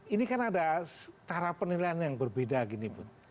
ini kan ada cara penilaian yang berbeda gini bu